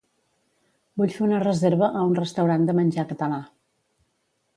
Vull fer una reserva a un restaurant de menjar català